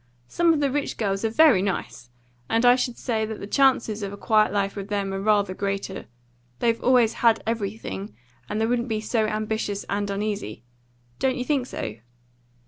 Some of the rich girls are very nice, and I should say that the chances of a quiet life with them were rather greater. They've always had everything, and they wouldn't be so ambitious and uneasy. Don't you think so?"